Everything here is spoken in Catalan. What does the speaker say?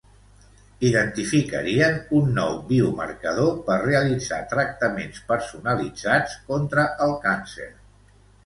Identificarien un nou biomarcador per realitzar tractaments personalitzats contra el càncer.